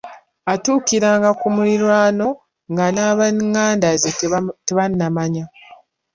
Atuukiranga ku muliraano nga n’ab’eηηanda ze tebannamanya.